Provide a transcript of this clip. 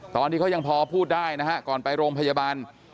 ตอนนี้เขายังพอพูดได้นะฮะก่อนไปโรงพยาบาล